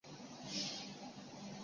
归义军也和辽朝开始通使。